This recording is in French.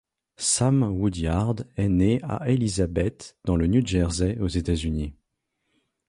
Sam Woodyard est né à Elizabeth dans le New Jersey aux États-Unis.